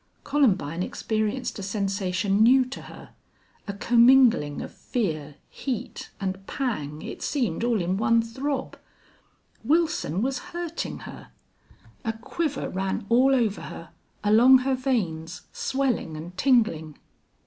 Columbine experienced a sensation new to her a commingling of fear, heat, and pang, it seemed, all in one throb. Wilson was hurting her. A quiver ran all over her, along her veins, swelling and tingling.